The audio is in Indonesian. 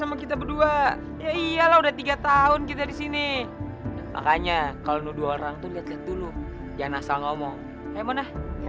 mana bener semua